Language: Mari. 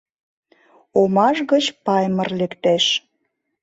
Омаш гыч Паймыр лектеш.